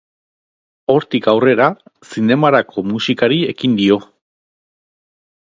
Hortik aurrera zinemarako musikari ekin dio.